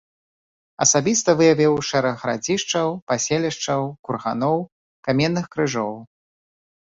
Асабіста выявіў шэраг гарадзішчаў, паселішчаў, курганоў, каменных крыжоў.